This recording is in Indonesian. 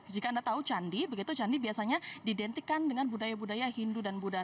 jika anda tahu candi begitu candi biasanya didentikan dengan budaya budaya hindu dan budaya